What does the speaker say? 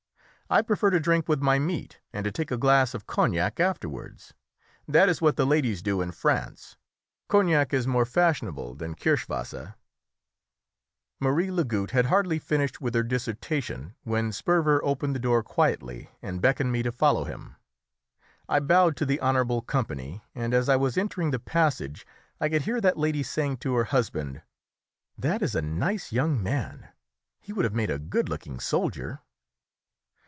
I prefer to drink with my meat, and to take a glass of cognac afterwards. That is what the ladies do in France. Cognac is more fashionable than kirschwasser!" Marie Lagoutte had hardly finished with her dissertation when Sperver opened the door quietly and beckoned me to follow him. I bowed to the "honourable company," and as I was entering the passage I could hear that lady saying to her husband "That is a nice young man. He would have made a good looking soldier."